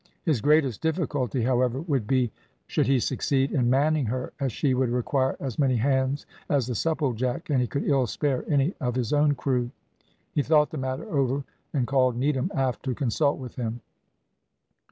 His greatest difficulty, however, would be, should he succeed, in manning her, as she would require as many hands as the Supplejack, and he could ill spare any of his own crew; he thought the matter over, and called Needham aft to consult with him.